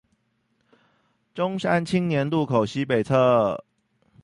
中山青年路口西北側